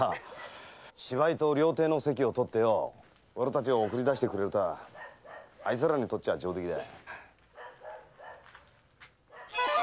芝居と料亭の席を取って俺たちを送り出してくれるとはあいつらにしちゃ上出来だ。